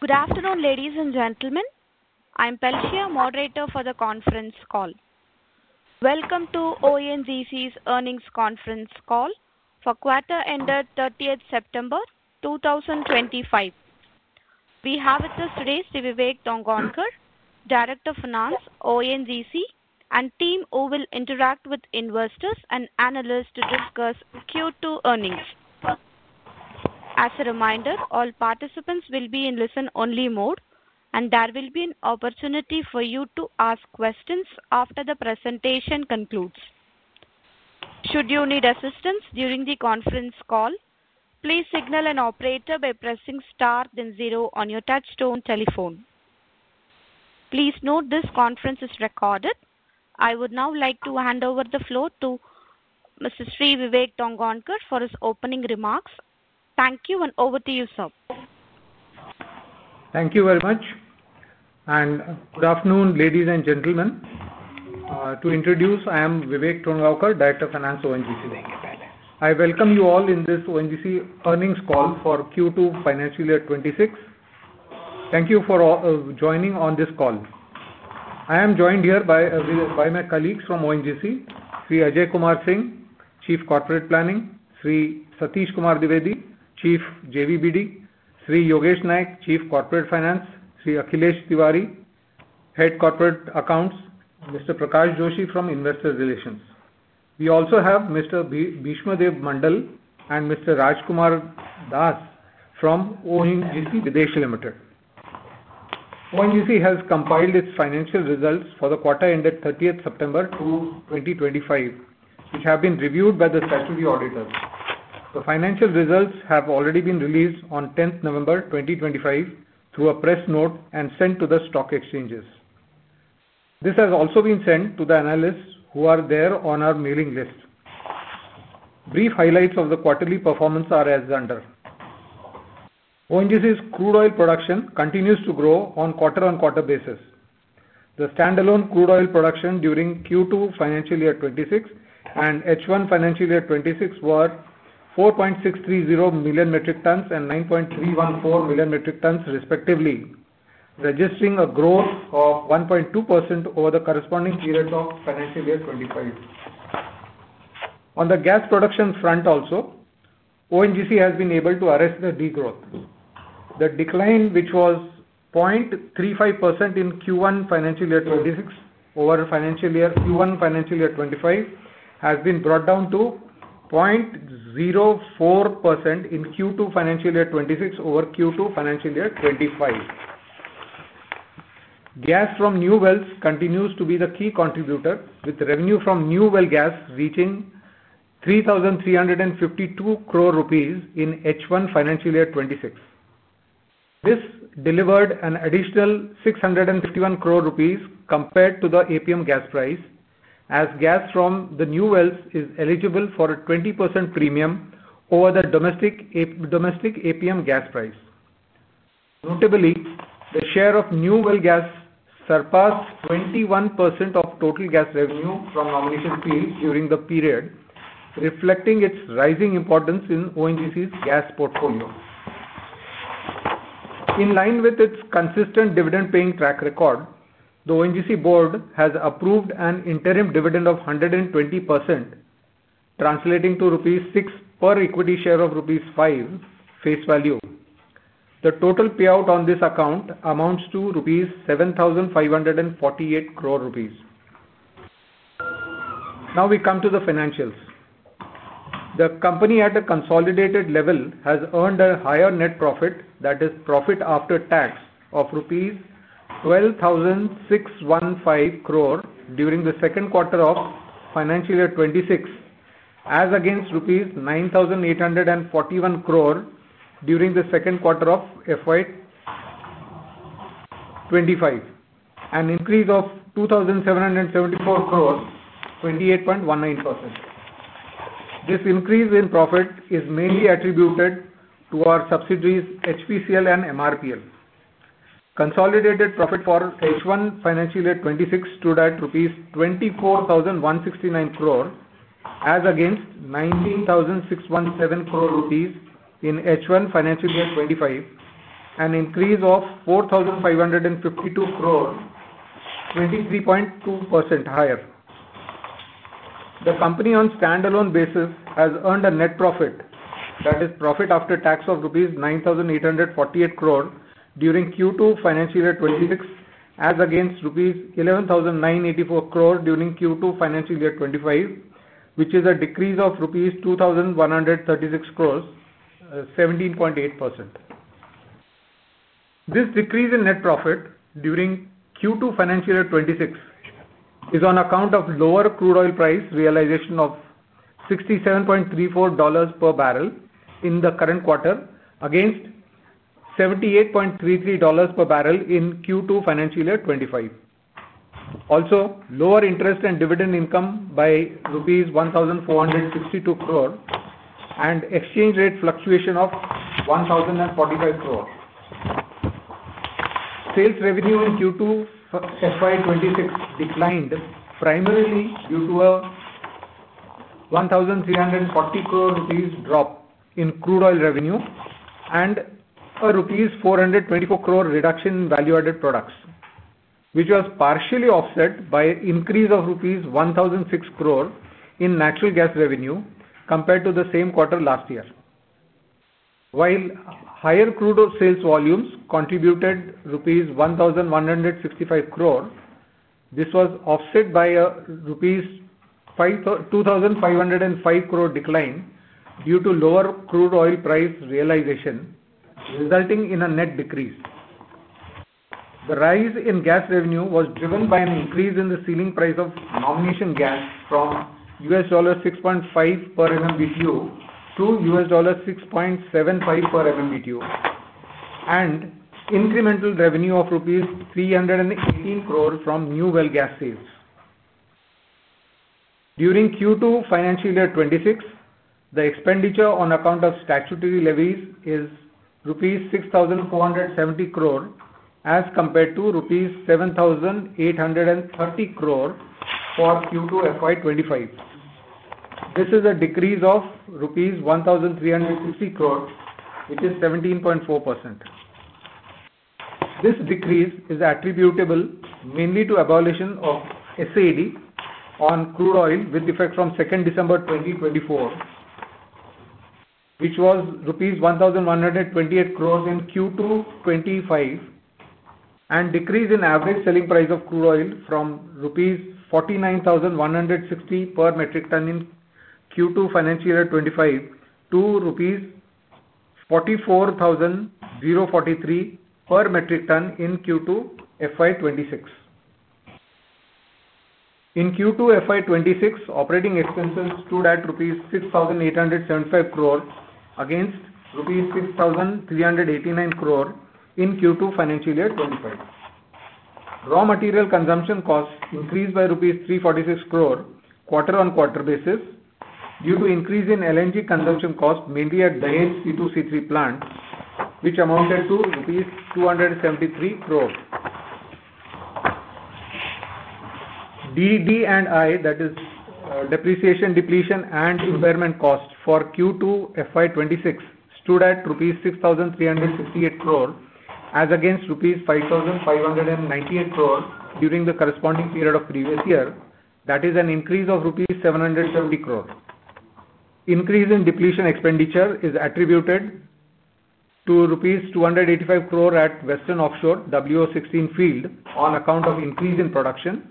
Good afternoon, ladies and gentlemen. I'm Palsheya, moderator for the conference call. Welcome to ONGC's Earnings Conference Call for quarter-ended, 30th September 2025. We have with us today Vivek Tongaonkar, Director of Finance, ONGC, and team who will interact with investors and analysts to discuss Q2 earnings. As a reminder, all participants will be in listen-only mode, and there will be an opportunity for you to ask questions after the presentation concludes. Should you need assistance during the conference call, please signal an operator by pressing star then zero on your touchstone telephone. Please note this conference is recorded. I would now like to hand over the floor to Mr. Sri Vivek Tongaonkar for his opening remarks. Thank you, and over to you, sir. Thank you very much. Good afternoon, ladies and gentlemen. To introduce, I am Vivek Tongaonkar, Director of Finance, ONGC. I welcome you all in this ONGC earnings call for Q2 financial year 2026. Thank you for joining on this call. I am joined here by my colleagues from ONGC: Sri Ajay Kumar Singh, Chief Corporate Planning; Sri Satish Kumar Dwivedi, Chief JVBD; Sri Yogesh Naik, Chief Corporate Finance; Sri Akhilesh Tiwari, Head Corporate Accounts; Mr. Prakash Joshi from Investor Relations. We also have Mr. Bhishmadev Mandal and Mr. Rajkumar Das from ONGC Videsh Limited. ONGC has compiled its financial results for the quarter ended 30th September 2025, which have been reviewed by the statutory auditors. The financial results have already been released on 10th November 2025 through a press note and sent to the stock exchanges. This has also been sent to the analysts who are there on our mailing list. Brief highlights of the quarterly performance are as under: ONGC's crude oil production continues to grow on quarter-on-quarter basis. The standalone crude oil production during Q2 financial year 2026 and H1 financial year 2026 were 4.630 million metric tons and 9.314 million metric tons, respectively, registering a growth of 1.2% over the corresponding periods of financial year 2025. On the gas production front also, ONGC has been able to arrest the degrowth. The decline, which was 0.35% in Q1 financial year 2026 over Q1 financial year 2025, has been brought down to 0.04% in Q2 financial year 2026 over Q2 financial year 2025. Gas from new wells continues to be the key contributor, with revenue from new well gas reaching 3,352 crore rupees in H1 financial year 2026. This delivered an additional 651 crore rupees compared to the APM gas price, as gas from the new wells is eligible for a 20% premium over the domestic APM gas price. Notably, the share of new well gas surpassed 21% of total gas revenue from nomination fields during the period, reflecting its rising importance in ONGC's gas portfolio. In line with its consistent dividend-paying track record, the ONGC board has approved an interim dividend of 120%, translating to rupees 6 per equity share of rupees 5 face value. The total payout on this account amounts to 7,548 crore rupees. Now we come to the financials. The company at a consolidated level has earned a higher net profit, that is, profit after tax, of rupees 12,615 crore during the second quarter of financial year 2026, as against rupees 9,841 crore during the second quarter of financial year 2025, an increase of 2,774 crore, 28.19%. This increase in profit is mainly attributed to our subsidiaries, HPCL and MRPL. Consolidated profit for H1 financial year 2026 stood at rupees 24,169 crore, as against 19,617 crore rupees in H1 financial year 2025, an increase of 4,552 crore, 23.2% higher. The company on standalone basis has earned a net profit, that is, profit after tax of rupees 9,848 crore during Q2 financial year 2026, as against rupees 11,984 crore during Q2 financial year 2025, which is a decrease of rupees 2,136 crore, 17.8%. This decrease in net profit during Q2 financial year 2026 is on account of lower crude oil price realization of $67.34 per barrel in the current quarter against $78.33 per barrel in Q2 financial year 2025. Also, lower interest and dividend income by rupees 1,462 crore and exchange rate fluctuation of 1,045 crore. Sales revenue in Q2 FY 2026 declined primarily due to an 1,340 crore rupees drop in crude oil revenue and an rupees 424 crore reduction in value-added products, which was partially offset by increase of rupees 1,006 crore in natural gas revenue compared to the same quarter last year. While higher crude oil sales volumes contributed rupees 1,165 crore, this was offset by an rupees 2,505 crore decline due to lower crude oil price realization, resulting in a net decrease. The rise in gas revenue was driven by an increase in the ceiling price of nomination gas from $6.5 per MMBTU to $6.75 per MMBTU, and incremental revenue of rupees 318 crore from new well gas sales. During Q2 financial year 2026, the expenditure on account of statutory levies is rupees 6,470 crore, as compared to rupees 7,830 crore for Q2 FY 2025. This is a decrease of rupees 1,360 crore, which is 17.4%. This decrease is attributable mainly to evaluation of SAD on crude oil with effect from 2 December 2024, which was rupees 1,128 crore in Q2 2025, and decrease in average selling price of crude oil from rupees 49,160 per metric ton in Q2 financial year 2025 to rupees 44,043 per metric ton in Q2 FY 2026. In Q2 FY 2026, operating expenses stood at rupees 6,875 crore against rupees 6,389 crore in Q2 financial year 2025. Raw material consumption costs increased by rupees 346 crore quarter-on-quarter basis due to increase in LNG consumption cost mainly at Dahej C2-C3 plant, which amounted to rupees 273 crore. DD&I, that is, depreciation, depletion, and impairment cost for Q2 FY 2026 stood at rupees 6,368 crore, as against rupees 5,598 crore during the corresponding period of previous year, that is, an increase of rupees 770 crore. Increase in depletion expenditure is attributed to rupees 285 crore at Western Offshore WO-16 field on account of increase in production,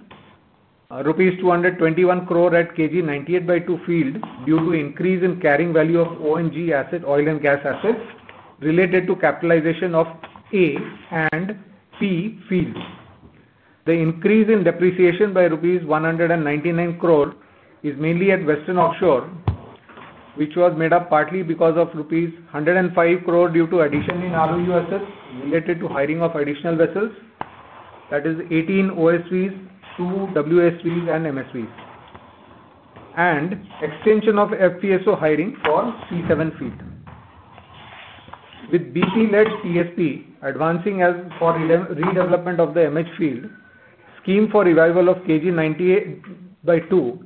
rupees 221 crore at KG 98/2 field due to increase in carrying value of ONGC asset oil and gas assets related to capitalization of A and P fields. The increase in depreciation by rupees 199 crore is mainly at Western Offshore, which was made up partly because of rupees 105 crore due to addition in ROU assets related to hiring of additional vessels, that is, 18 OSVs, 2 WSVs, and MSVs, and extension of FPSO hiring for C7 field. With BP-led TSP advancing for redevelopment of the Mumbai High field, scheme for revival of KG 98/2,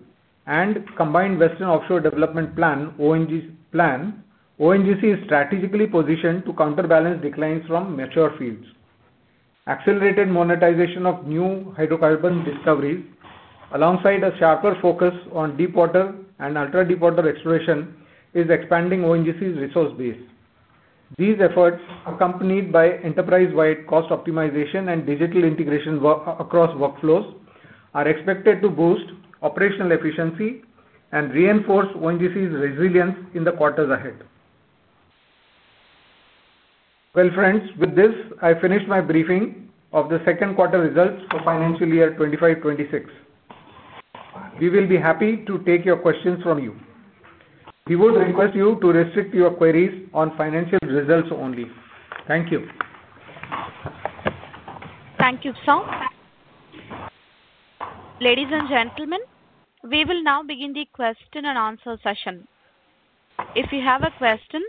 and combined Western Offshore Development Plan, ONGC is strategically positioned to counterbalance declines from mature fields. Accelerated monetization of new hydrocarbon discoveries, alongside a sharper focus on deepwater and ultra-deepwater exploration, is expanding ONGC's resource base. These efforts, accompanied by enterprise-wide cost optimization and digital integration across workflows, are expected to boost operational efficiency and reinforce ONGC's resilience in the quarters ahead. Friends, with this, I finished my briefing of the second quarter results for financial year 2025-2026. We will be happy to take your questions from you. We would request you to restrict your queries on financial results only. Thank you. Thank you, sir. Ladies and gentlemen, we will now begin the question and answer session. If you have a question,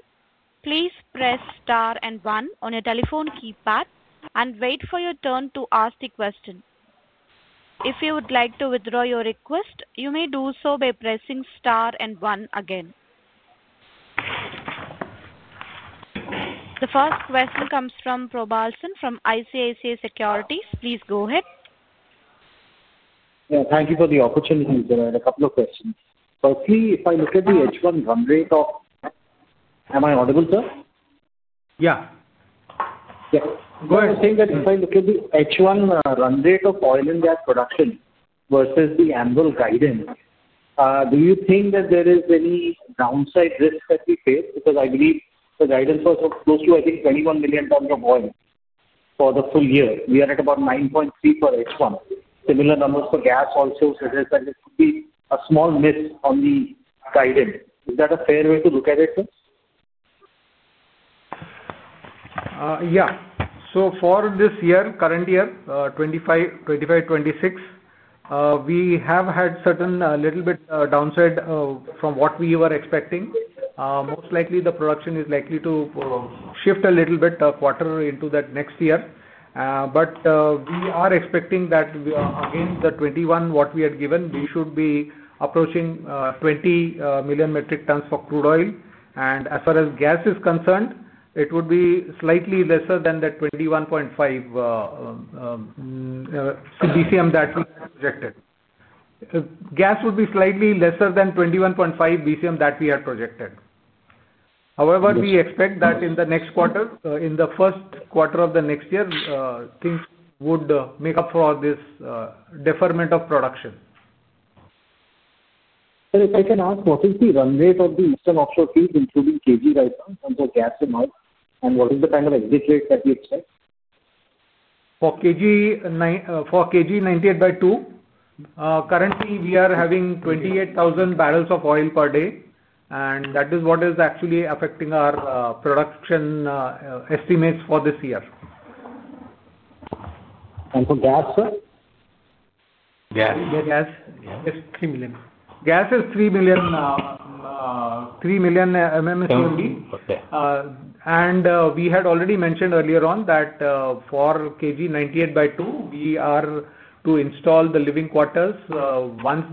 please press star and one on your telephone keypad and wait for your turn to ask the question. If you would like to withdraw your request, you may do so by pressing star and one again. The first question comes from Prabhalsan from ICICI Securities. Please go ahead. Yeah, thank you for the opportunity. There are a couple of questions. Firstly, if I look at the H1 run rate of—am I audible, sir? Yeah. Yeah. Go ahead. Saying that if I look at the H1 run rate of oil and gas production versus the annual guidance, do you think that there is any downside risk that we face? Because I believe the guidance was close to, I think, 21 million tons of oil for the full year. We are at about 9.3 for H1. Similar numbers for gas also, such as that it could be a small miss on the guidance. Is that a fair way to look at it, sir? Yeah. For this year, current year, 2025-2026, we have had certain a little bit downside from what we were expecting. Most likely, the production is likely to shift a little bit quarter into that next year. We are expecting that, again, the 2021 what we had given, we should be approaching 20 million metric tons for crude oil. As far as gas is concerned, it would be slightly lesser than the 21.5 BCM that we had projected. Gas would be slightly lesser than 21.5 BCM that we had projected. However, we expect that in the next quarter, in the first quarter of the next year, things would make up for this deferment of production. If I can ask, what is the run rate of the Eastern Offshore field, including KG right now, in terms of gas amount, and what is the kind of exit rate that we expect? For KG 98/2, currently, we are having 28,000 barrels of oil per day, and that is what is actually affecting our production estimates for this year. For gas, sir? Gas. Gas is 3 million. Gas is 3 million MMSCMD. We had already mentioned earlier on that for KG 98/2, we are to install the living quarters. Once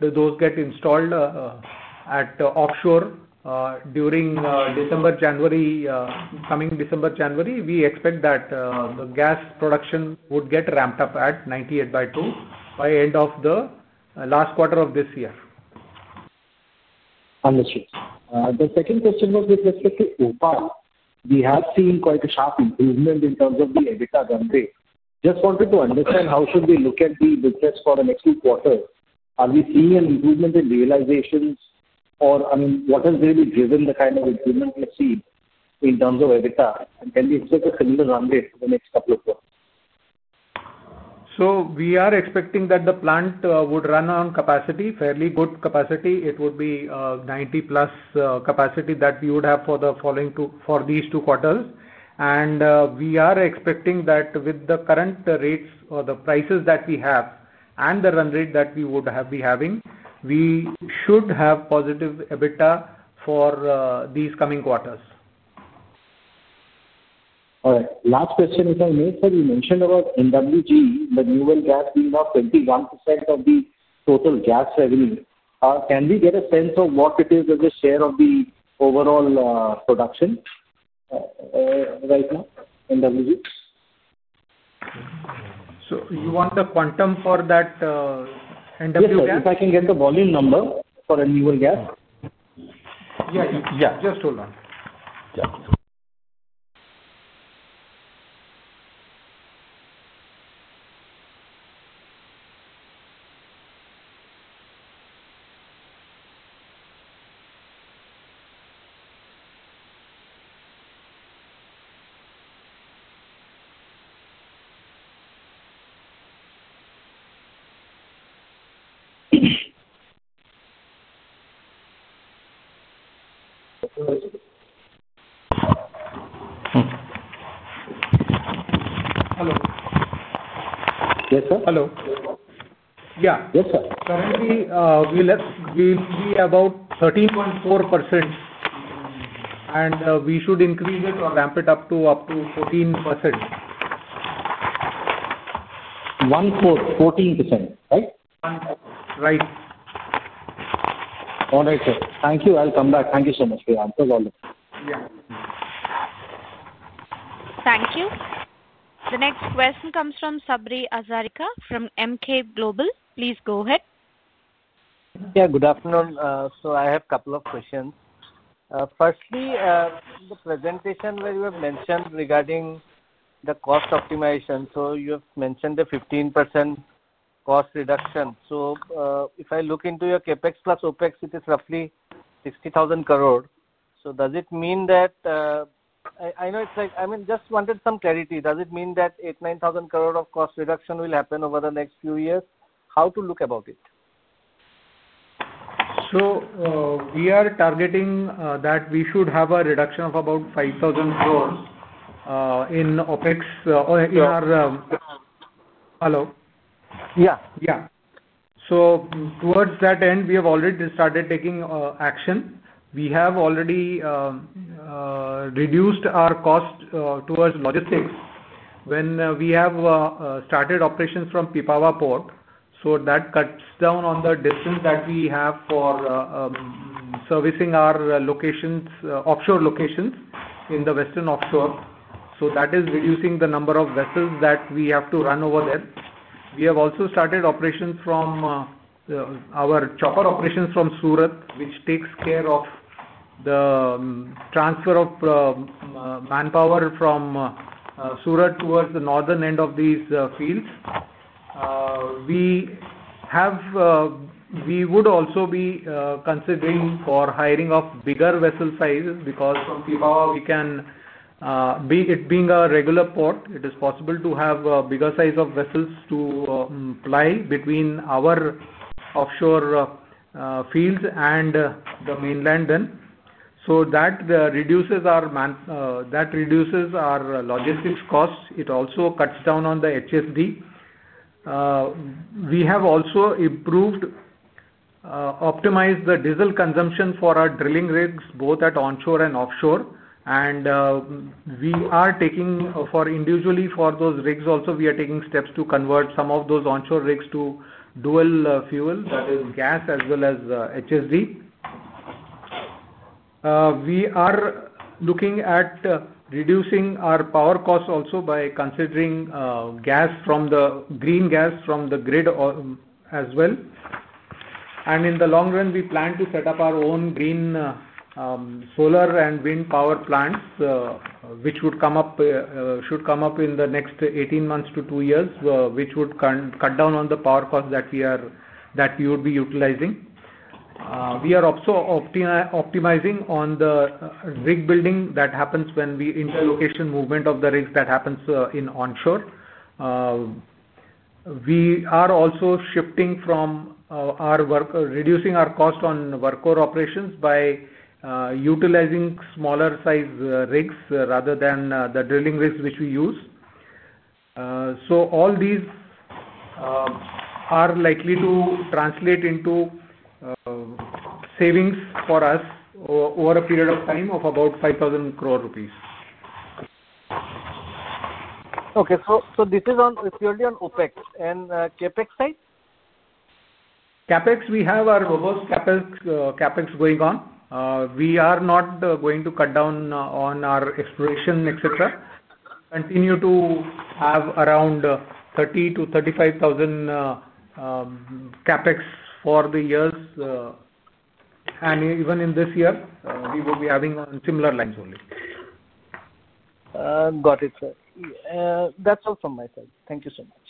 those get installed at offshore during December, January, coming December, January, we expect that the gas production would get ramped up at 98/2 by end of the last quarter of this year. Understood. The second question was with respect to OPaL. We have seen quite a sharp improvement in terms of the EBITDA run rate. Just wanted to understand how should we look at the business for the next two quarters? Are we seeing an improvement in realizations, or, I mean, what has really driven the kind of improvement we have seen in terms of EBITDA? Can we expect a similar run rate for the next couple of months? We are expecting that the plant would run on capacity, fairly good capacity. It would be 90% plus capacity that we would have for the following two, for these two quarters. We are expecting that with the current rates or the prices that we have and the run rate that we would be having, we should have positive EBITDA for these coming quarters. All right. Last question is, I know, sir, you mentioned about NWG, the new well gas being about 21% of the total gas revenue. Can we get a sense of what it is as a share of the overall production right now, NWG? You want the quantum for that NW gas? Yes. If I can get the volume number for new well gas? Yeah. Just hold on. Yeah. Hello. Yes, sir? Hello. Yeah. Yes, sir. Currently, we'll be about 13.4%, and we should increase it or ramp it up to up to 14%. 14%, right? Right. All right, sir. Thank you. I'll come back. Thank you so much for your answers. All right. Thank you. The next question comes from Sabri Hazarika from Emkay Global. Please go ahead. Yeah, good afternoon. I have a couple of questions. Firstly, the presentation where you have mentioned regarding the cost optimization, you have mentioned the 15% cost reduction. If I look into your CapEx plus OpEx, it is roughly 60,000 crore. Does it mean that, I know, it's like, I mean, just wanted some clarity. Does it mean that 8,000-9,000 crore of cost reduction will happen over the next few years? How to look about it? We are targeting that we should have a reduction of about 5,000 crore in OpEx or in our hello? Yeah. Yeah. Towards that end, we have already started taking action. We have already reduced our cost towards logistics when we have started operations from Pipavav Port. That cuts down on the distance that we have for servicing our locations, offshore locations in the Western Offshore. That is reducing the number of vessels that we have to run over there. We have also started operations from our chopper operations from Surat, which takes care of the transfer of manpower from Surat towards the northern end of these fields. We would also be considering hiring of bigger vessel sizes because from Pipavav, it being a regular port, it is possible to have a bigger size of vessels to ply between our offshore fields and the mainland then. That reduces our logistics costs. It also cuts down on the HSD. We have also optimized the diesel consumption for our drilling rigs, both at onshore and offshore. We are taking for individually for those rigs also, we are taking steps to convert some of those onshore rigs to dual fuel, that is gas as well as HSD. We are looking at reducing our power costs also by considering gas from the green gas from the grid as well. In the long run, we plan to set up our own green solar and wind power plants, which should come up in the next 18 months to 2 years, which would cut down on the power cost that we would be utilizing. We are also optimizing on the rig building that happens when we interlocation movement of the rigs that happens in onshore. We are also shifting from our reducing our cost on worker operations by utilizing smaller size rigs rather than the drilling rigs which we use. All these are likely to translate into savings for us over a period of time of about 5,000 crore rupees. Okay. So this is purely on OpEx. And CapEx side? CapEx, we have our robust CapEx going on. We are not going to cut down on our exploration, etc. Continue to have around 30,000-35,000 CapEx for the years. Even in this year, we will be having on similar lines only. Got it, sir. That's all from my side. Thank you so much.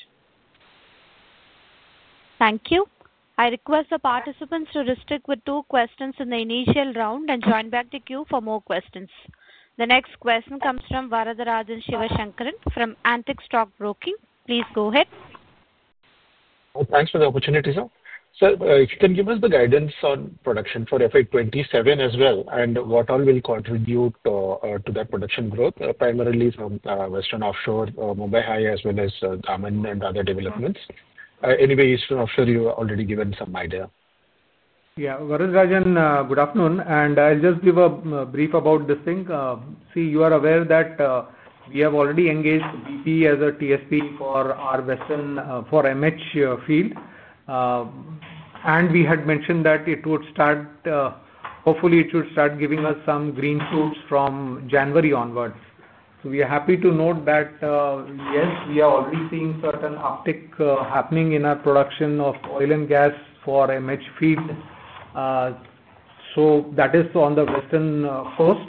Thank you. I request the participants to restrict with two questions in the initial round and join back the queue for more questions. The next question comes from Varatharajan Sivasankaran from Antique Stock Broking. Please go ahead. Thanks for the opportunity, sir. Sir, if you can give us the guidance on production for FY2027 as well and what all will contribute to that production growth, primarily from Western Offshore Mumbai High as well as KG and other developments. Anyway, Eastern Offshore, you have already given some idea. Yeah. Varadarajan, good afternoon. I'll just give a brief about this thing. See, you are aware that we have already engaged BP as a TSP for our Western for MH field. We had mentioned that it would start, hopefully, it should start giving us some green shoots from January onwards. We are happy to note that, yes, we are already seeing certain uptick happening in our production of oil and gas for MH field. That is on the Western coast.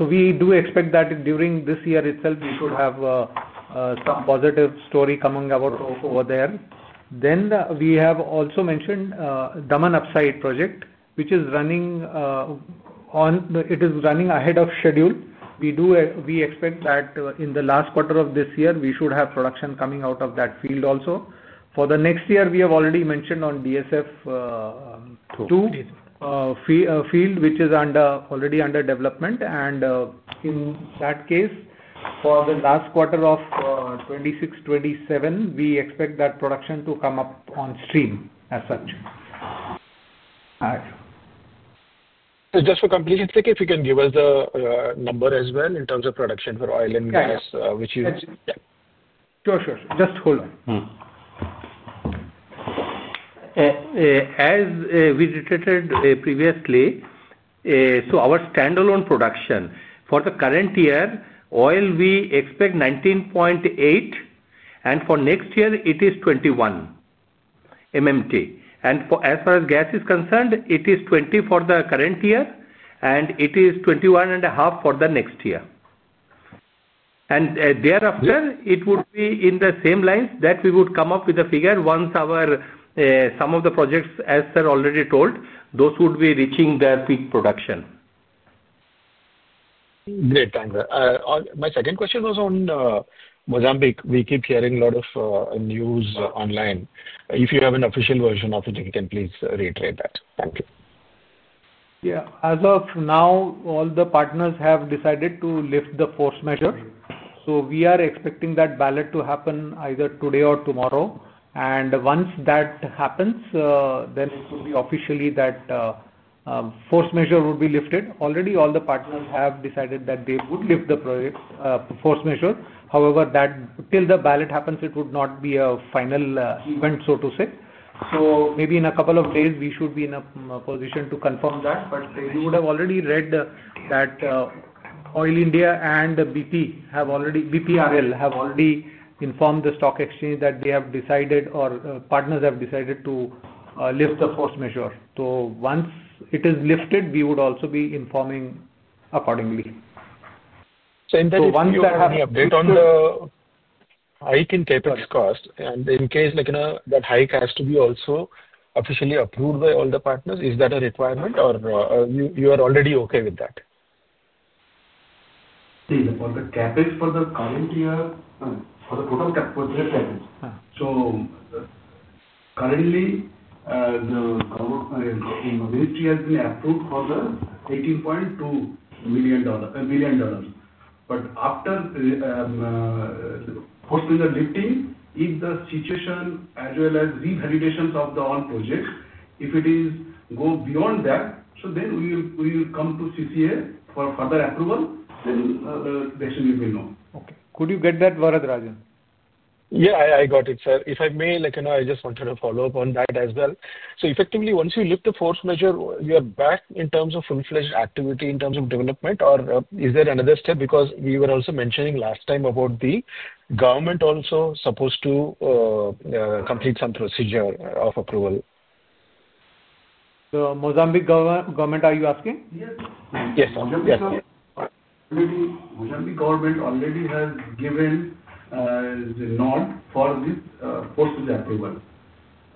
We do expect that during this year itself, we should have some positive story coming about over there. We have also mentioned Daman Upside project, which is running on, it is running ahead of schedule. We expect that in the last quarter of this year, we should have production coming out of that field also. For the next year, we have already mentioned on DSF2 field, which is already under development. In that case, for the last quarter of 2026-2027, we expect that production to come up on stream as such. Just for completion's sake, if you can give us the number as well in terms of production for oil and gas, which is. Sure, sure. Just hold on. As we stated previously, our standalone production for the current year, oil we expect 19.8, and for next year, it is 21 MMT. As far as gas is concerned, it is 20 for the current year, and it is 21.5 for the next year. Thereafter, it would be in the same lines that we would come up with a figure once some of the projects, as sir already told, those would be reaching their peak production. Great, thank you. My second question was on Mozambique. We keep hearing a lot of news online. If you have an official version of it, if you can please reiterate that. Thank you. Yeah. As of now, all the partners have decided to lift the force majeure. We are expecting that ballot to happen either today or tomorrow. Once that happens, then it would be officially that force majeure would be lifted. Already, all the partners have decided that they would lift the force majeure. However, till the ballot happens, it would not be a final event, so to say. Maybe in a couple of days, we should be in a position to confirm that. We would have already read that Oil India and BPRL have already informed the stock exchange that they have decided or partners have decided to lift the force majeure. Once it is lifted, we would also be informing accordingly. In that case, do you have any update on the hike in CapEx cost? And in case that hike has to be also officially approved by all the partners, is that a requirement, or you are already okay with that? See, for the CapEx for the current year, for the total CapEx, currently, the ministry has approved $18.2 million. After post-finger lifting, if the situation as well as revaluations of all projects, if it goes beyond that, we will come to CCA for further approval. The decision will be known then. Okay. Could you get that, Varatharajan? Yeah, I got it, sir. If I may, I just wanted to follow up on that as well. Effectively, once you lift the force majeure, you are back in terms of inflation activity in terms of development, or is there another step? Because we were also mentioning last time about the government also supposed to complete some procedure of approval. The Mozambique government, are you asking? Yes. Mozambique government already has given the nod for this force majeure approval.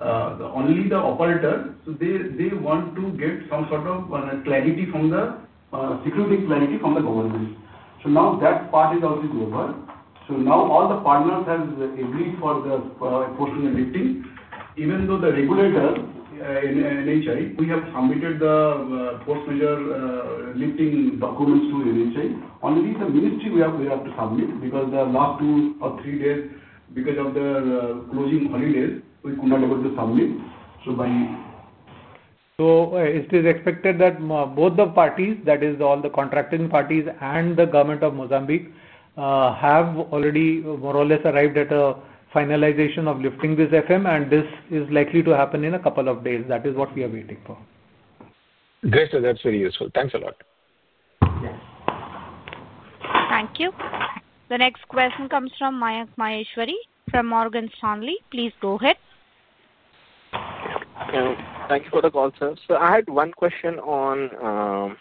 Only the operator, so they want to get some sort of clarity from the security, clarity from the government. Now that part is already over. Now all the partners have agreed for the force majeure lifting. Even though the regulator, NHI, we have submitted the force majeure lifting documents to NHI. Only the ministry we have to submit because the last two or three days, because of their closing holidays, we could not be able to submit. By. It is expected that both the parties, that is all the contracting parties and the government of Mozambique, have already more or less arrived at a finalization of lifting this FM, and this is likely to happen in a couple of days. That is what we are waiting for. Great, sir. That's very useful. Thanks a lot. Yes. Thank you. The next question comes from Mayank Maheshwari from Morgan Stanley. Please go ahead. Thank you for the call, sir. I had one question on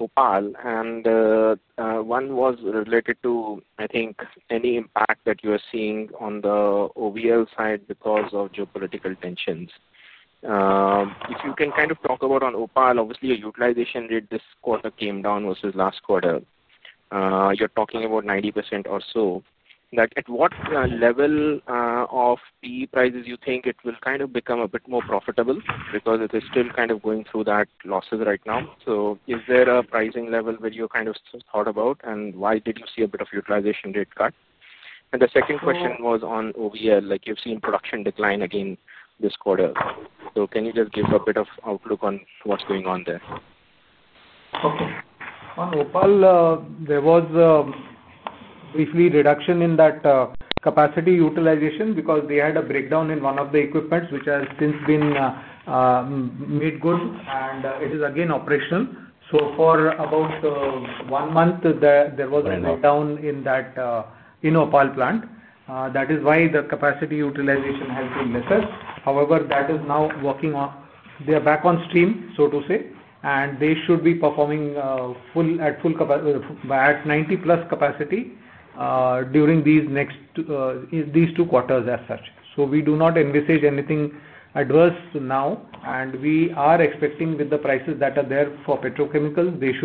OPaL, and one was related to, I think, any impact that you are seeing on the OVL side because of geopolitical tensions. If you can kind of talk about on OPaL, obviously, your utilization rate this quarter came down versus last quarter. You are talking about 90% or so. At what level of PE prices do you think it will kind of become a bit more profitable because it is still kind of going through that losses right now? Is there a pricing level that you kind of thought about, and why did you see a bit of utilization rate cut? The second question was on OVL. You have seen production decline again this quarter. Can you just give a bit of outlook on what is going on there? Okay. On OPaL, there was briefly reduction in that capacity utilization because they had a breakdown in one of the equipments, which has since been made good, and it is again operational. For about one month, there was a breakdown in that OPaL plant. That is why the capacity utilization has been lesser. However, that is now working on, they are back on stream, so to say, and they should be performing at full capacity, at 90% plus capacity during these next two quarters as such. We do not envisage anything adverse now, and we are expecting with the prices that are there for petrochemicals, they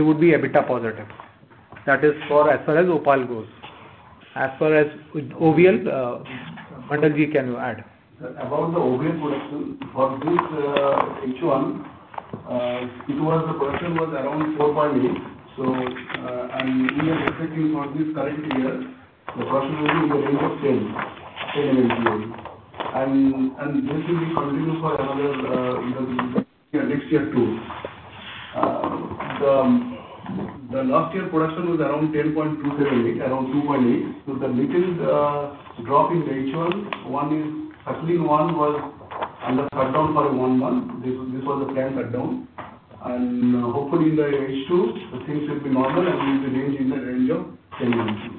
would be EBITDA positive. That is for as far as OPaL goes. As far as OVL, Mandalji, can you add? About the OVL production, for this H1, the production was around 4.8. We are expecting for this current year, the production will be in the range of 10 MMTA. This will be continued for another next year too. The last year production was around 10.278, around 2.8. The little drop in the H1, one is H1 was under shutdown for one month. This was the planned shutdown. Hopefully, in the H2, things will be normal, and we will range in the range of 10 MMT.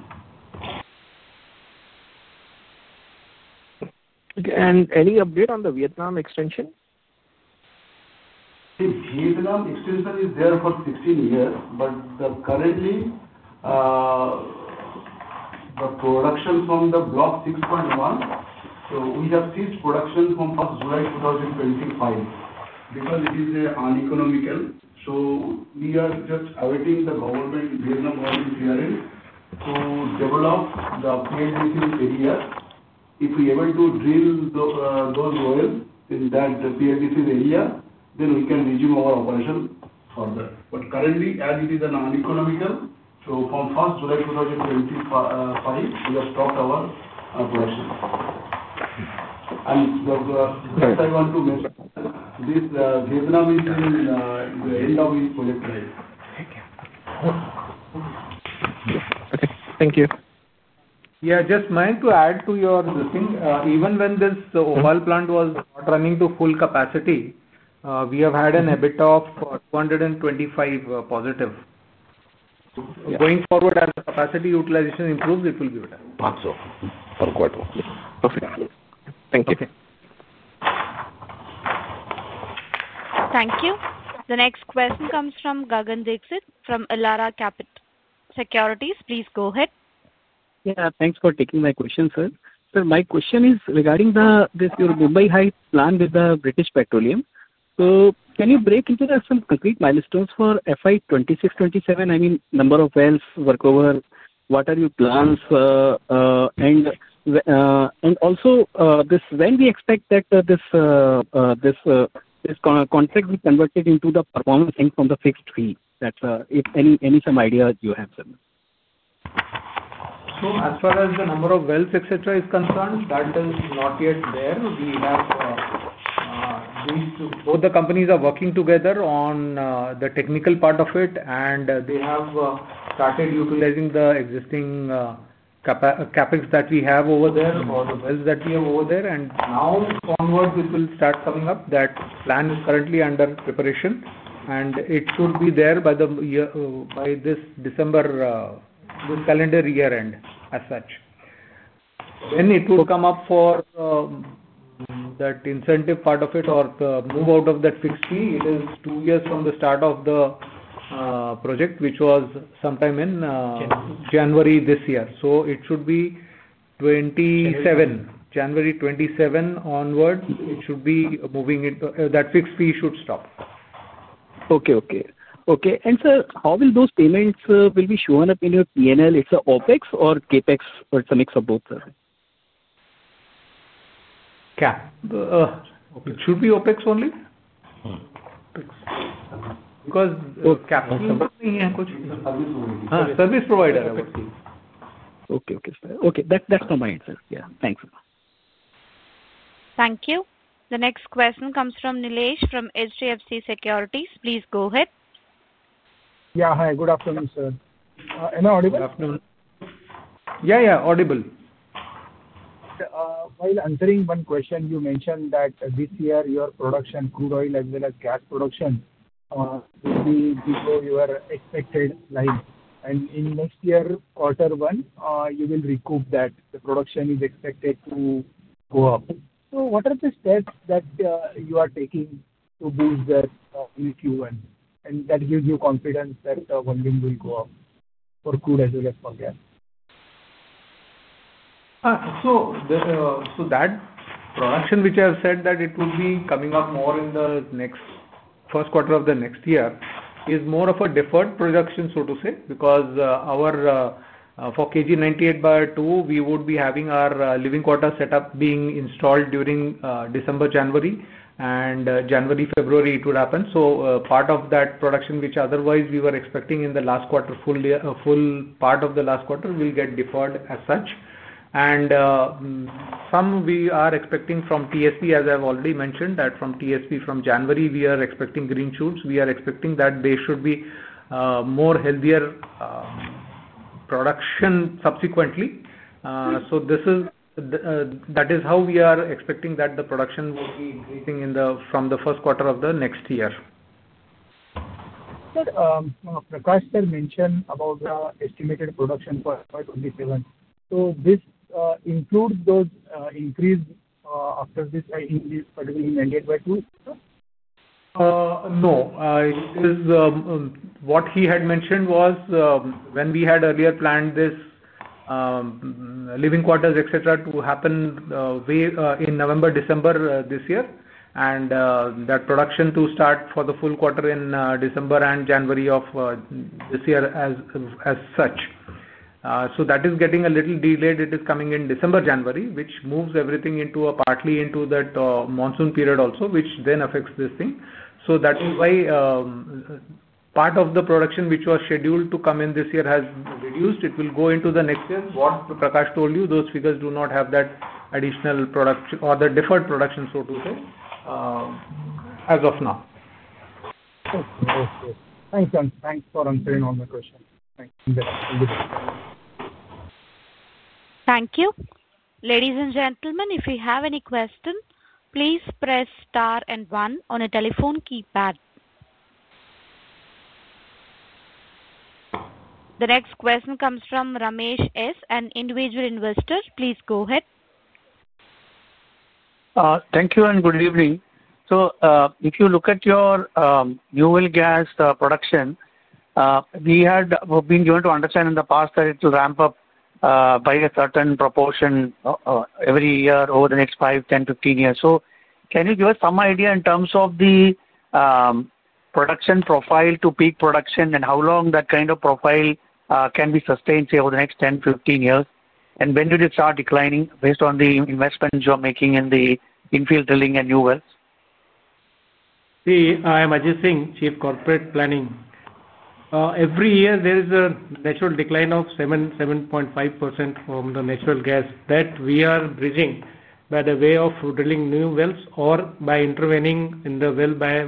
Any update on the Vietnam extension? Vietnam extension is there for 16 years, but currently, the production from the Block 06.1. We have ceased production from July 2025 because it is uneconomical. We are just awaiting the Vietnam government here to develop the PLDC area. If we are able to drill those oil in that PLDC area, then we can resume our operation further. Currently, as it is uneconomical, from 1 July 2025, we have stopped our production. I just want to mention, this Vietnam is in the end of its project life. Okay. Thank you. Yeah, just mine to add to your thing. Even when this OPaL plant was not running to full capacity, we have had an EBITDA of $225 million positive. Going forward, as the capacity utilization improves, it will be better. Also, for quarter. Perfect. Thank you. Thank you. The next question comes from [Gagandeksit] from Elara Capital Securities. Please go ahead. Yeah, thanks for taking my question, sir. Sir, my question is regarding this Mumbai High plan with British Petroleum. Can you break into some concrete milestones for FY 2026-2027? I mean, number of wells, workovers, what are your plans? Also, when do we expect that this contract will be converted into the performance link from the fixed fee? That's any, some idea you have, sir? As far as the number of wells, etc., is concerned, that is not yet there. We have reached, both the companies are working together on the technical part of it, and they have started utilizing the existing CapEx that we have over there or the wells that we have over there. Now onwards, it will start coming up. That plan is currently under preparation, and it should be there by this December, this calendar year end as such. When it will come up for that incentive part of it or move out of that fixed fee, it is two years from the start of the project, which was sometime in January this year. It should be January 27 onwards, it should be moving it. That fixed fee should stop. Okay, okay. Okay. Sir, how will those payments be shown up in your P&L? It's an OpEx or CapEx or it's a mix of both, sir? CAP. It should be OpEx only. Because CapEx is not paying for service. Service provider. Okay, okay, sir. Okay, that's from my end, sir. Yeah. Thanks. Thank you. The next question comes from [Nilesh] from HDFC Securities. Please go ahead. Yeah, hi. Good afternoon, sir. Am I audible? Good afternoon. Yeah, yeah, audible. While answering one question, you mentioned that this year, your production, crude oil as well as gas production, will be below your expected line. In next year, quarter one, you will recoup that. The production is expected to go up. What are the steps that you are taking to boost that in Q1? That gives you confidence that the volume will go up for crude as well as for gas? That production, which I have said that it will be coming up more in the first quarter of the next year, is more of a deferred production, so to say, because for KG 98/2, we would be having our living quarter setup being installed during December, January, and January, February, it would happen. Part of that production, which otherwise we were expecting in the last quarter, full part of the last quarter, will get deferred as such. Some we are expecting from TSP, as I have already mentioned, that from TSP from January, we are expecting green shoots. We are expecting that they should be more healthier production subsequently. That is how we are expecting that the production would be increasing from the first quarter of the next year. Sir, Prakash sir mentioned about the estimated production for 2027. Does this include those increased after this increase particularly mandated by two? No. What he had mentioned was when we had earlier planned this living quarters, etc., to happen in November, December this year, and that production to start for the full quarter in December and January of this year as such. That is getting a little delayed. It is coming in December, January, which moves everything partly into that monsoon period also, which then affects this thing. That is why part of the production which was scheduled to come in this year has reduced. It will go into the next year. What Prakash told you, those figures do not have that additional production or the deferred production, so to say, as of now. Okay. Thanks, sir. Thanks for answering all my questions. Thank you. Thank you. Ladies and gentlemen, if you have any question, please press star and one on a telephone keypad. The next question comes from Ramesh S, an individual investor. Please go ahead. Thank you and good evening. If you look at your new oil gas production, we had been going to understand in the past that it will ramp up by a certain proportion every year over the next 5, 10, 15 years. Can you give us some idea in terms of the production profile to peak production and how long that kind of profile can be sustained, say, over the next 10, 15 years? When did it start declining based on the investments you are making in the infill drilling and new wells? See, I am Ajay Kumar Singh, Chief Corporate Planning. Every year, there is a natural decline of 7.5% from the natural gas that we are bridging by the way of drilling new wells or by intervening in the well by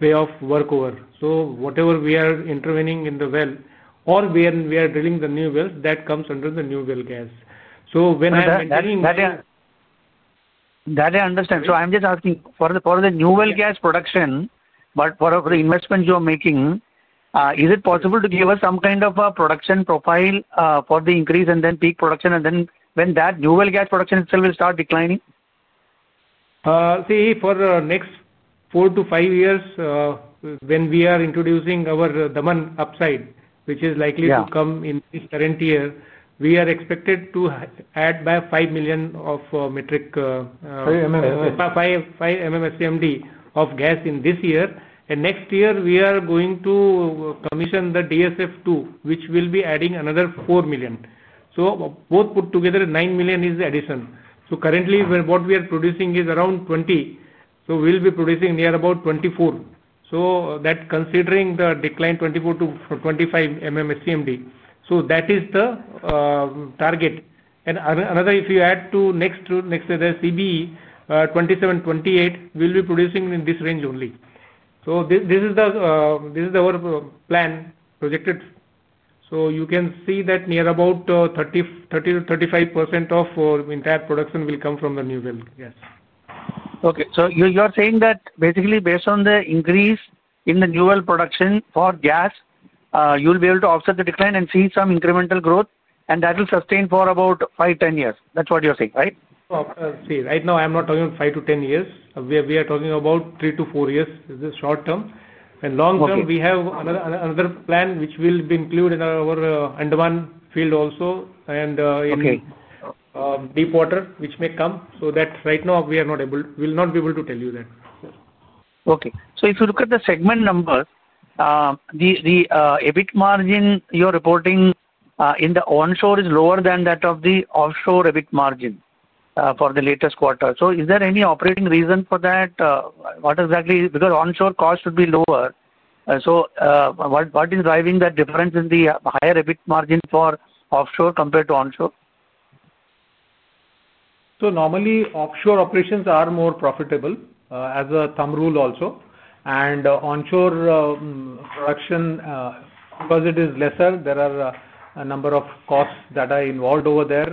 way of workover. Whatever we are intervening in the well or when we are drilling the new wells, that comes under the new well gas. When I am managing. That I understand. I'm just asking, for the new well gas production, for the investment you are making, is it possible to give us some kind of a production profile for the increase and then peak production? When that new well gas production itself will start declining? See, for the next four to five years, when we are introducing our Daman upside, which is likely to come in this current year, we are expected to add by 5 million of metric. Sorry, MMS. 5 MMSCMD of gas in this year. Next year, we are going to commission the DSF 2, which will be adding another 4 million. Both put together, 9 million is the addition. Currently, what we are producing is around 20. We will be producing near about 24. Considering the decline, 24-25 MMSCMD. That is the target. Another, if you add to next CBE 2027-2028, we will be producing in this range only. This is our plan projected. You can see that near about 30-35% of entire production will come from the new well gas. Okay. So you are saying that basically based on the increase in the new well production for gas, you'll be able to offset the decline and see some incremental growth, and that will sustain for about five, ten years. That's what you're saying, right? See, right now, I'm not talking about 5-10 years. We are talking about 3-4 years. This is short term. In long term, we have another plan which will be included in our underwater field also and in deep water, which may come. That right now, we are not able to tell you. Okay. If you look at the segment numbers, the EBIT margin you are reporting in the onshore is lower than that of the offshore EBIT margin for the latest quarter. Is there any operating reason for that? What exactly? Because onshore cost should be lower. What is driving that difference in the higher EBIT margin for offshore compared to onshore? Normally, offshore operations are more profitable as a thumb rule also. Onshore production, because it is lesser, there are a number of costs that are involved over there.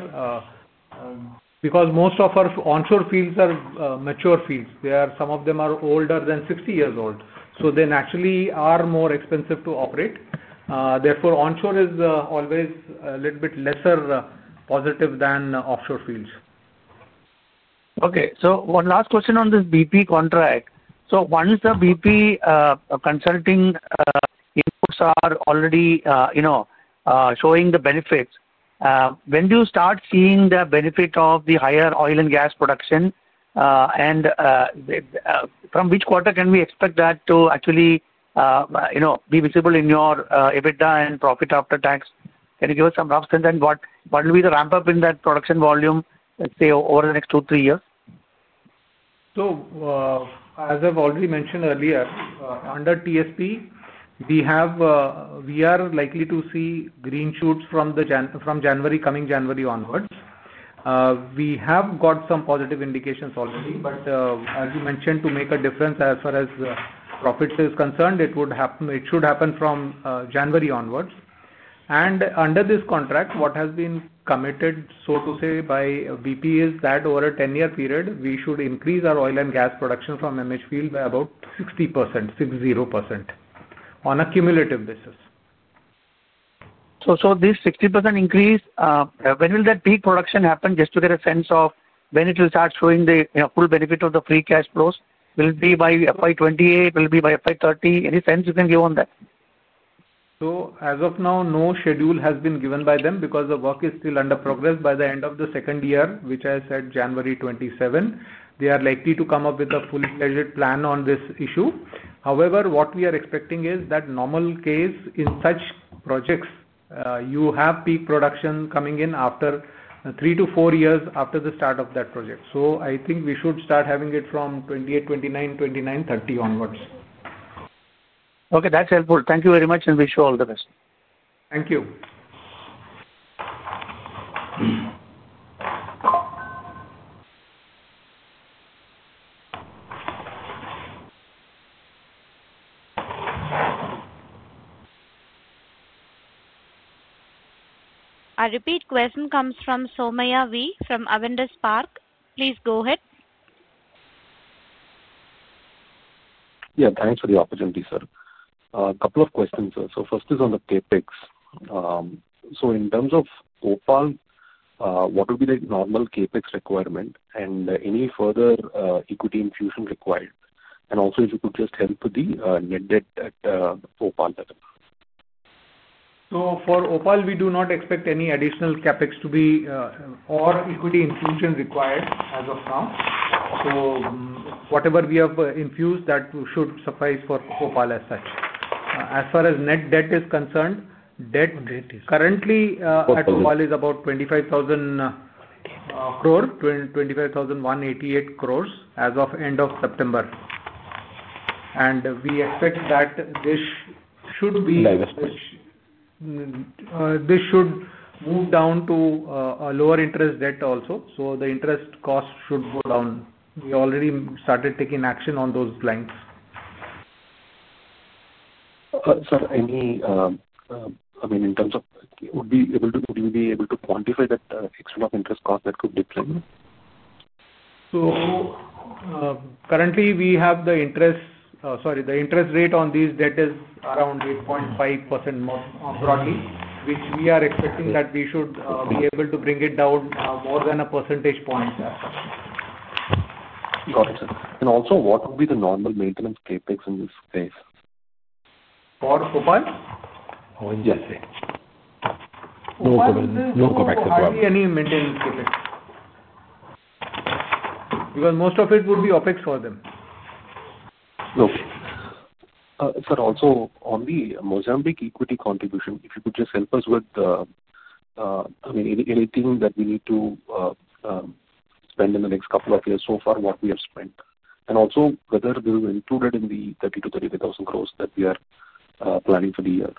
Most of our onshore fields are mature fields. Some of them are older than 60 years old. They naturally are more expensive to operate. Therefore, onshore is always a little bit lesser positive than offshore fields. Okay. So one last question on this BP contract. Once the BP consulting inputs are already showing the benefits, when do you start seeing the benefit of the higher oil and gas production? From which quarter can we expect that to actually be visible in your EBITDA and profit after tax? Can you give us some rough sense? What will be the ramp-up in that production volume, let's say, over the next two, three years? As I've already mentioned earlier, under TSP, we are likely to see green shoots from coming January onwards. We have got some positive indications already, but as you mentioned, to make a difference as far as profit is concerned, it should happen from January onwards. Under this contract, what has been committed, so to say, by BP is that over a 10-year period, we should increase our oil and gas production from MH field by about 60%, 60% on a cumulative basis. This 60% increase, when will that peak production happen? Just to get a sense of when it will start showing the full benefit of the free cash flows? Will it be by FY 2028? Will it be by FY 2030? Any sense you can give on that? As of now, no schedule has been given by them because the work is still under progress. By the end of the second year, which I said January 2027, they are likely to come up with a fully scheduled plan on this issue. However, what we are expecting is that in a normal case in such projects, you have peak production coming in after three to four years after the start of that project. I think we should start having it from 2028-2029, 2029-2030 onwards. Okay. That's helpful. Thank you very much and wish you all the best. Thank you. A repeat question comes from Somaya V from Avendus Spark. Please go ahead. Yeah, thanks for the opportunity, sir. A couple of questions, sir. First is on the CapEx. In terms of OPaL, what would be the normal CapEx requirement and any further equity infusion required? Also, if you could just help the net debt at OPaL level. For OPaL, we do not expect any additional CapEx to be or equity infusion required as of now. Whatever we have infused, that should suffice for OPaL as such. As far as net debt is concerned, debt currently at OPaL is about 25,000 crore, 25,188 crore as of end of September. We expect that this should move down to a lower interest debt also. The interest cost should go down. We already started taking action on those lines. Sir, I mean, in terms of would you be able to quantify that extra of interest cost that could decline? Currently, we have the interest, sorry, the interest rate on these debt is around 8.5% broadly, which we are expecting that we should be able to bring it down more than a percentage point. Got it, sir. Also, what would be the normal maintenance CapEx in this case? For OPaL? Oh, yes, sir. No CapEx. No CapEx. No CapEx. No CapEx. Because most of it would be OpEx for them. Okay. Sir, also on the Mozambique equity contribution, if you could just help us with, I mean, anything that we need to spend in the next couple of years so far what we have spent. Also whether they're included in the 30,000-35,000 crore that we are planning for the year.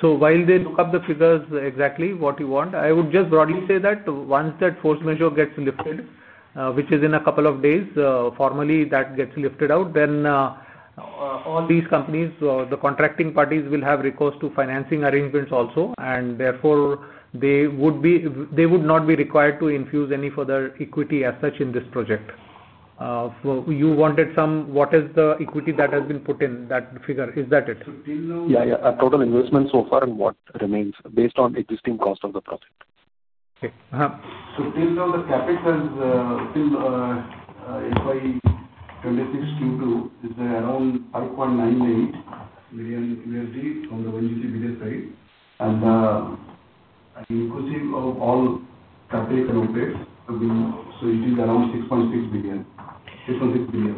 While they look up the figures exactly what you want, I would just broadly say that once that force majeure gets lifted, which is in a couple of days, formally that gets lifted out, then all these companies, the contracting parties will have recourse to financing arrangements also. Therefore, they would not be required to infuse any further equity as such in this project. You wanted some what is the equity that has been put in that figure? Is that it? Yeah, yeah. Total investment so far and what remains based on existing cost of the project? Till now, the CapEx has till FY 2026 Q2, it's around $5.98 million from the ONGC BD side. Inclusive of all CapEx and OpEx, it is around $6.6 billion. $6.6 billion.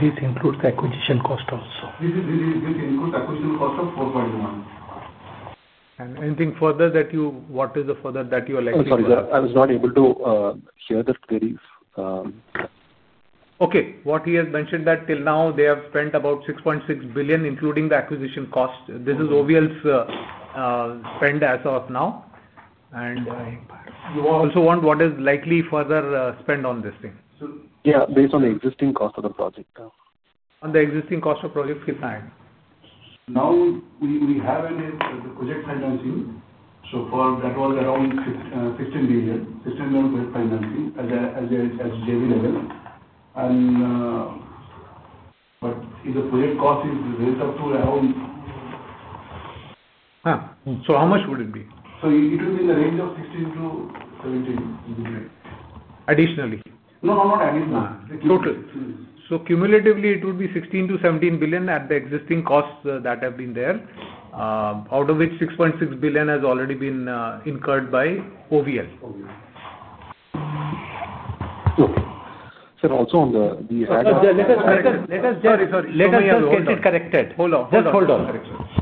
This includes acquisition cost also. This includes acquisition cost of $4.1. Anything further that you are likely to? I'm sorry, sir. I was not able to hear clearly. Okay. What he has mentioned is that till now, they have spent about $6.6 billion, including the acquisition cost. This is OVL's spend as of now. You also want what is likely further spend on this thing? Yeah, based on the existing cost of the project. On the existing cost of project, now we have any project financing. So that was around $16 billion, $16 million project financing as JV level. And but if the project cost is raised up to around. How much would it be? It will be in the range of 16-17. Additionally? No, no, not additionally. Total. Cumulatively, it would be $16 billion-$17 billion at the existing costs that have been there, out of which $6.6 billion has already been incurred by OVL. Okay. Sir, also on the. Let us just. Sorry, sorry. Let us just. Sorry, sorry. Let us just. Sorry, sorry. Get it corrected.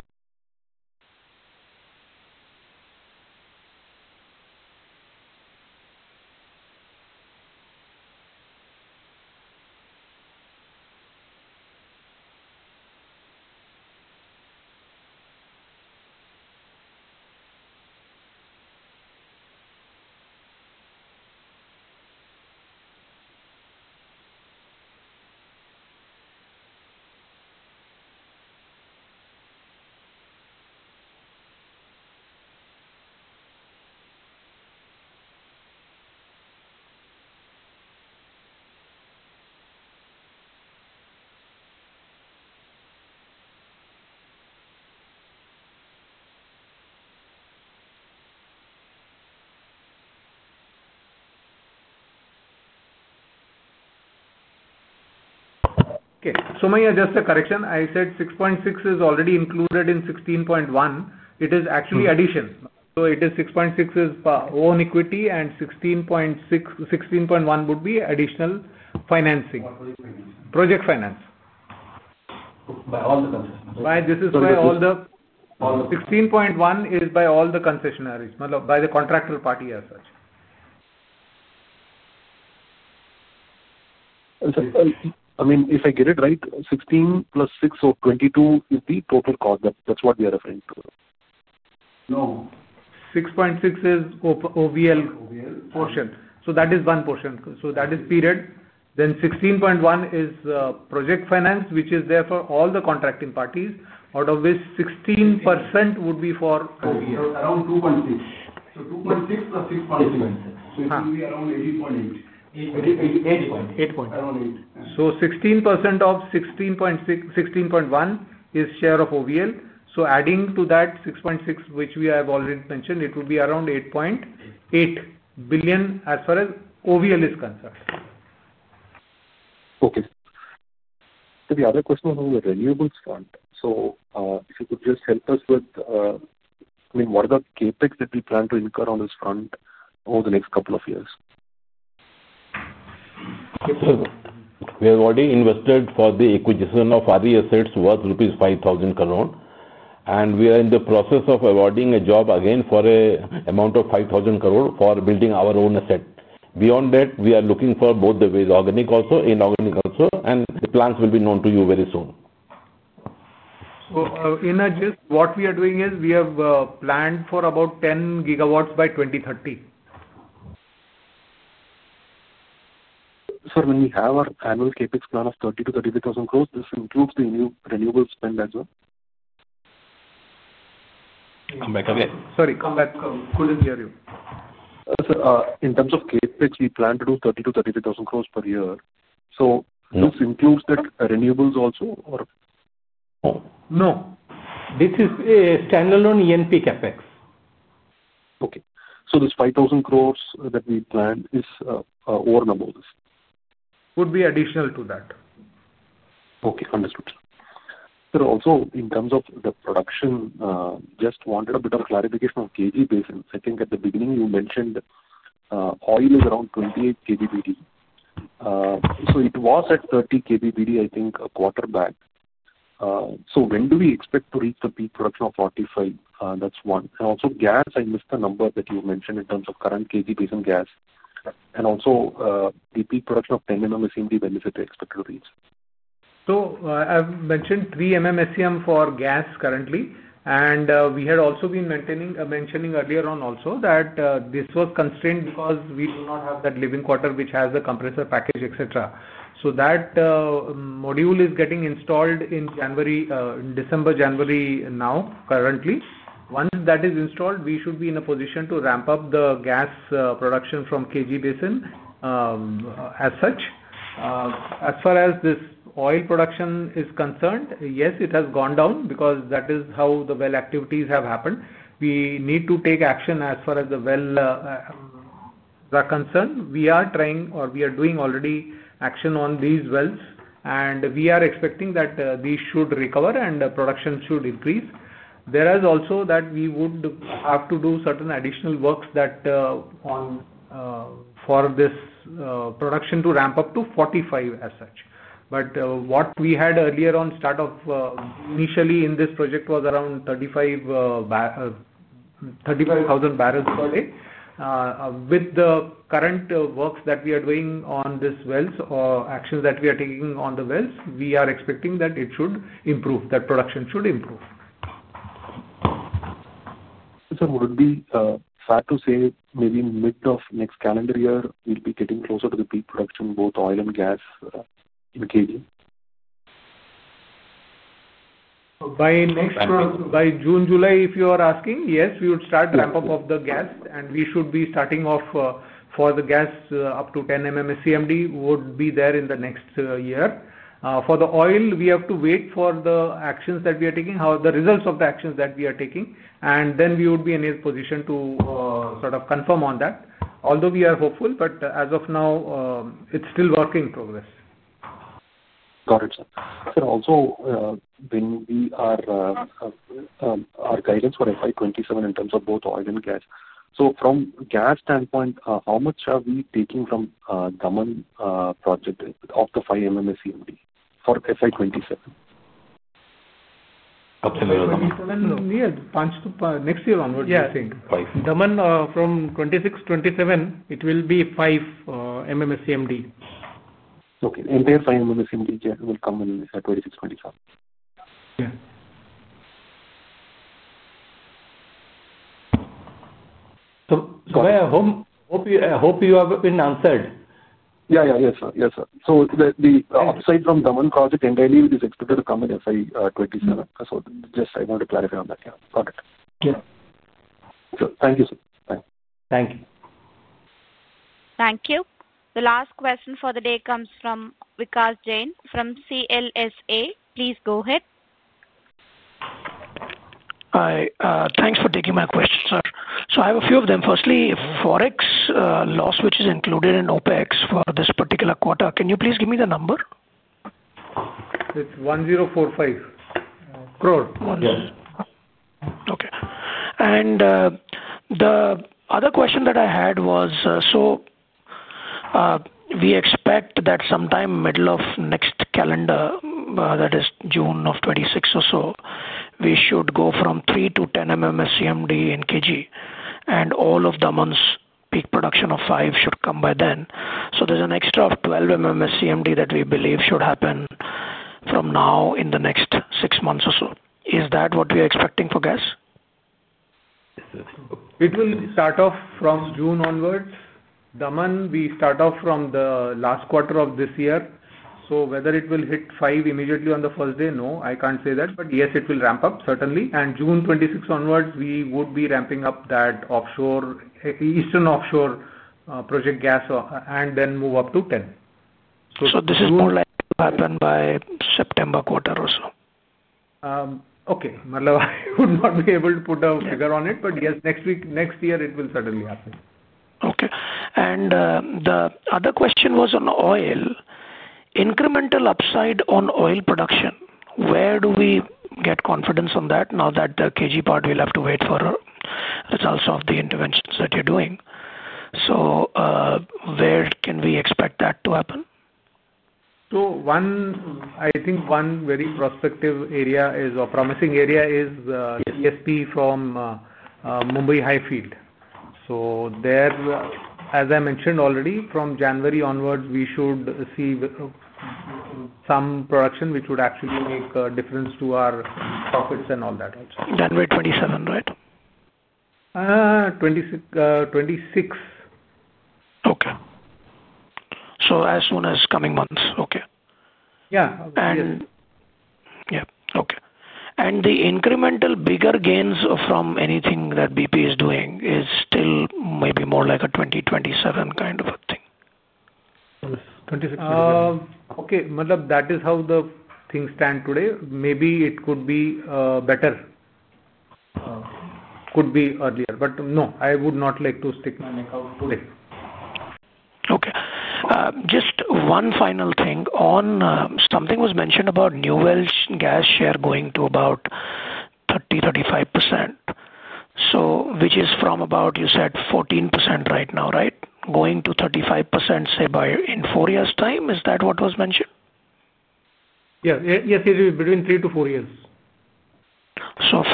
Hold on. Hold on. Just hold on. Okay. Somaya, just a correction. I said 6.6 is already included in 16.1. It is actually addition. So it is 6.6 is own equity and 16.1 would be additional financing. Project finance. By all the concessionaries. This is by all the 16.1 is by all the concessionaries, by the contractor party as such. I mean, if I get it right, 16 + 6 or 22 is the total cost. That's what we are referring to. No. 6.6 is OVL portion. That is one portion. That is period. 16.1 is project finance, which is there for all the contracting parties, out of which 16% would be for OVL. Around 2.6. 2.6 + 6.6. It will be around 8.8. 8.8. Around 8. Sixteen percent of 16.1 is share of OVL. Adding to that 6.6, which we have already mentioned, it would be around $8.8 billion as far as OVL is concerned. Okay. The other question on the renewables front. If you could just help us with, I mean, what are the CapEx that we plan to incur on this front over the next couple of years? We have already invested for the acquisition of other assets worth rupees 5,000 crore. We are in the process of awarding a job again for an amount of 5,000 crore for building our own asset. Beyond that, we are looking for both the organic also inorganic also. The plans will be known to you very soon. In a gist, what we are doing is we have planned for about 10 GW by 2030. Sir, when we have our annual CapEx plan of 30,000 crore-35,000 crore, this includes the renewables spend as well? Come back a bit. Sorry, come back. Couldn't hear you. Sir, in terms of CapEx, we plan to do 30,000 crore-35,000 crore per year. So this includes that renewables also or? No. This is standalone E&P CapEx. Okay. So this 5,000 crore that we planned is over number this? Would be additional to that. Okay. Understood. Sir, also in terms of the production, just wanted a bit of clarification on KG basin. I think at the beginning, you mentioned oil is around 28 KGBD. It was at 30 KGBD, I think, a quarter back. When do we expect to reach the peak production of 45? That's one. Also, gas, I missed the number that you mentioned in terms of current KG basin gas. Also, the peak production of 10 SCMD, when is that expected to reach? I've mentioned 3 SCM for gas currently. We had also been mentioning earlier on that this was constrained because we do not have that living quarter which has the compressor package, etc. That module is getting installed in December, January now currently. Once that is installed, we should be in a position to ramp up the gas production from KG basin as such. As far as this oil production is concerned, yes, it has gone down because that is how the well activities have happened. We need to take action as far as the wells are concerned. We are trying or we are doing already action on these wells. We are expecting that these should recover and production should increase. There is also that we would have to do certain additional works for this production to ramp up to 45 as such. What we had earlier on start of initially in this project was around 35,000 barrels per day. With the current works that we are doing on these wells or actions that we are taking on the wells, we are expecting that it should improve. That production should improve. Sir, would it be fair to say maybe mid of next calendar year, we'll be getting closer to the peak production, both oil and gas in KG? By June, July, if you are asking, yes, we would start ramp up of the gas. We should be starting off for the gas up to 10 SCMD would be there in the next year. For the oil, we have to wait for the actions that we are taking, the results of the actions that we are taking. We would be in a position to sort of confirm on that. Although we are hopeful, as of now, it is still working progress. Got it, sir. Sir, also when we are our guidance for FY 2027 in terms of both oil and gas. From gas standpoint, how much are we taking from Daman project of the 5 MMSCMD for FY 2027? Near next year onwards, I think. Yeah, 5. Daman from 2026, 2027, it will be 5 MMSCMD. Okay. Their 5 MMSCMD will come in 2026-2027. Yeah. I hope you have been answered. Yes, sir. Yes, sir. Aside from Daman project, NDID is expected to come in FY 2027. I just want to clarify on that. Got it. Yes. Sir, thank you, sir. Bye. Thank you. Thank you. The last question for the day comes from Vikash Jain from CLSA. Please go ahead. Hi. Thanks for taking my question, sir. I have a few of them. Firstly, Forex loss, which is included in OpEx for this particular quarter. Can you please give me the number? It's 1,045 crore. Okay. The other question that I had was, we expect that sometime middle of next calendar, that is June of 2026 or so, we should go from 3 to 10 SCMD in KG. All of Daman's peak production of 5 should come by then. There is an extra of 12 SCMD that we believe should happen from now in the next six months or so. Is that what we are expecting for gas? It will start off from June onwards. Daman, we start off from the last quarter of this year. Whether it will hit 5 immediately on the first day, no, I can't say that. Yes, it will ramp up, certainly. June 26 onwards, we would be ramping up that offshore, eastern offshore project gas and then move up to 10. Is this more likely to happen by September quarter or so? Okay. I would not be able to put a figure on it, but yes, next year it will certainly happen. Okay. The other question was on oil. Incremental upside on oil production. Where do we get confidence on that now that the KG part will have to wait for results of the interventions that you're doing? Where can we expect that to happen? I think one very prospective area is or promising area is ESP from Mumbai High field. There, as I mentioned already, from January onwards, we should see some production which would actually make a difference to our profits and all that also. January 27, right? 26. Okay. As soon as coming months. Okay. Yeah. Yeah. Okay. The incremental bigger gains from anything that BP is doing is still maybe more like a 2027 kind of a thing. Okay. That is how the things stand today. Maybe it could be better. Could be earlier. No, I would not like to stick my neck out today. Okay. Just one final thing. Something was mentioned about new wells gas share going to about 30-35%, which is from about, you said, 14% right now, right? Going to 35%, say, by in four years' time. Is that what was mentioned? Yeah. Yes, it will be between three to four years.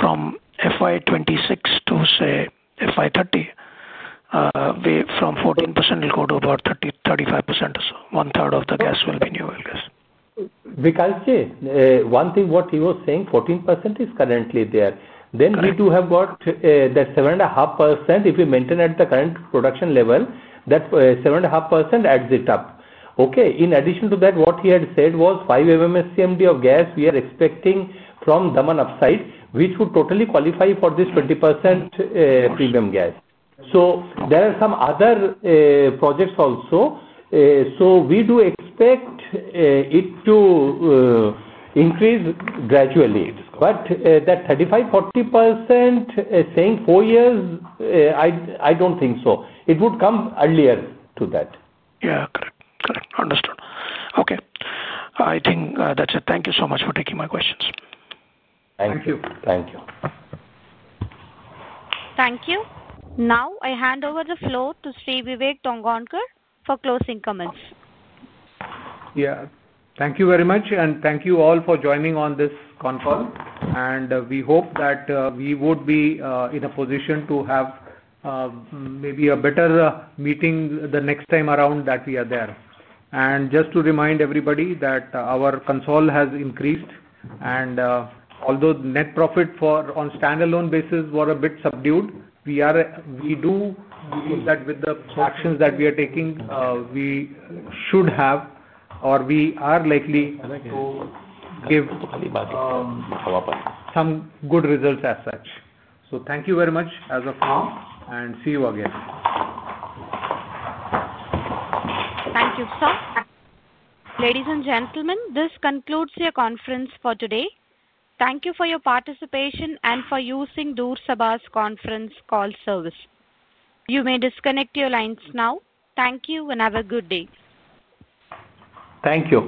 From FY 2026 to, say, FY 2030, from 14% will go to about 30-35% or so. One third of the gas will be new well gas. Vikas Jain, one thing what he was saying, 14% is currently there. Then we do have got that 7.5% if we maintain at the current production level, that 7.5% adds it up. Okay. In addition to that, what he had said was 5 MMSCMD of gas we are expecting from Daman upside, which would totally qualify for this 20% premium gas. There are some other projects also. We do expect it to increase gradually. That 35%-40%, saying four years, I don't think so. It would come earlier to that. Yeah. Correct. Correct. Understood. Okay. I think that's it. Thank you so much for taking my questions. Thank you. Thank you. Thank you. Thank you. Now I hand over the floor to Sri Vivek Tongaonkar for closing comments. Yeah. Thank you very much. Thank you all for joining on this console. We hope that we would be in a position to have maybe a better meeting the next time around that we are there. Just to remind everybody that our console has increased. Although net profit on standalone basis were a bit subdued, we do believe that with the actions that we are taking, we should have or we are likely to give some good results as such. Thank you very much as of now and see you again. Thank you, sir. Ladies and gentlemen, this concludes your conference for today. Thank you for your participation and for using DURSABA's conference call service. You may disconnect your lines now. Thank you and have a good day. Thank you.